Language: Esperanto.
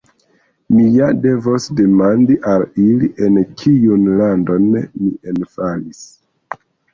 Mi ja devos demandi al ili en kiun landon mi enfalis.